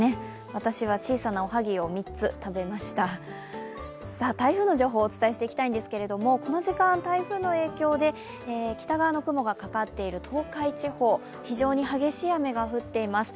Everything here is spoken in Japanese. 私は小さなおはぎを３つ食べました台風の情報をお伝えしていきたいんですけれどもこの時間、台風の影響で北側の雲がかかっている東海地方、非常に激しい雨が降っています。